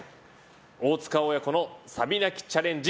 大塚親子のサビ泣きチャレンジ